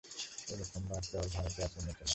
এই মোক্ষমার্গ কেবল ভারতে আছে, অন্যত্র নাই।